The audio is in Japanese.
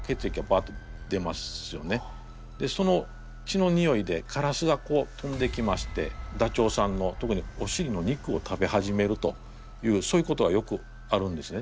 でその血のにおいでカラスがこう飛んできましてダチョウさんの特におしりの肉を食べ始めるというそういうことがよくあるんですね。